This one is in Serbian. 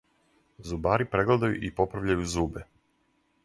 Зубари прегледају и поправљају зубе.